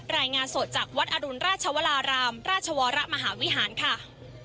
รายงานสดจากวัดอรุณราชวรารามราชวรมหาวิหารค่ะ